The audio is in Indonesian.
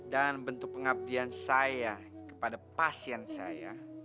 dan bentuk pengabdian saya kepada pasien saya